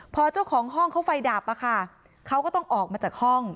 พอเจ้าของห้องเขาไฟดับเขาก็ต้องออกมาจากห้อง